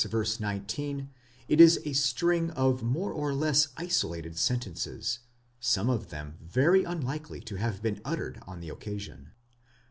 το it is a string of more or less isolated sentences, some of them very unlikely to have been uttered on the occasion.